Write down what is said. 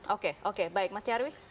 oke oke baik mas nyarwi